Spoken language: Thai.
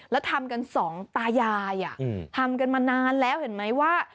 แล้วทำกันสองตายายทำกันมานานแล้วเห็นไหมว่า